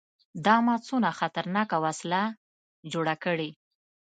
دا ما څونه خطرناکه وسله جوړه کړې.